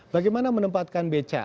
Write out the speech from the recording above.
bagaimana menempatkan beca